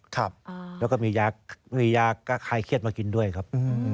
ครับแล้วก็มียามียาก็คลายเครียดมากินด้วยครับ